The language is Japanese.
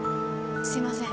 すいません。